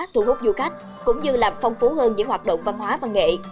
thu hút du khách cũng như làm phong phú hơn những hoạt động văn hóa văn nghệ